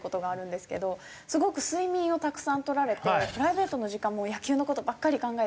すごく睡眠をたくさん取られてプライベートの時間も野球の事ばっかり考え